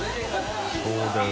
そうだよ